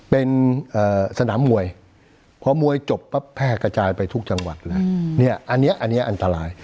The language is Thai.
เป็นสนามมวยพอมวยจบปั๊บแพร่กระจายไปทุกจังหวัดแล้วเนี่ยอันนี้อันตราย